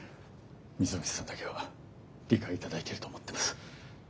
溝口さんだけは理解頂いてると思ってます。